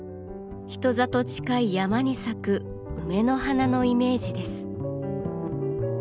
人里近い山に咲く梅の花のイメージです。